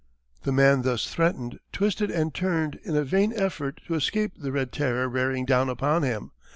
The man thus threatened, twisted and turned in a vain effort to escape the red terror bearing down upon him.